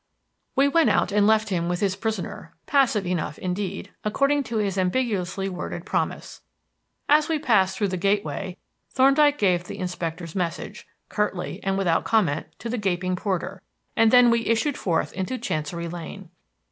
We went out and left him with his prisoner passive enough, indeed, according to his ambiguously worded promise. As we passed through the gateway Thorndyke gave the inspector's message, curtly and without comment, to the gaping porter, and then we issued forth into Chancery Lane.